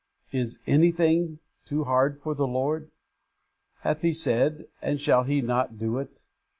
'Is anything too hard for the Lord?' 'Hath He said, and shall He not do it?'